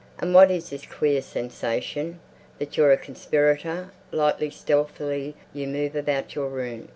And what is this queer sensation that you're a conspirator? Lightly, stealthily you move about your room.